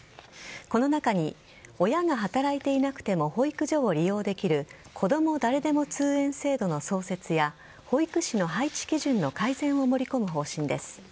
この中に親が働いていなくても保育所を利用できるこども誰でも通園制度の創設や保育士の配置基準の改善を盛り込む方針です。